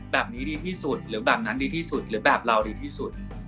แบบนี้ดีที่สุดหรือแบบนั้นดีที่สุดหรือแบบเราดีที่สุด